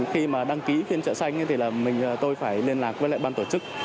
khi đăng ký phiên chợ xanh tôi phải liên lạc với bán tổ chức